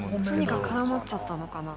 何か絡まっちゃったのかな。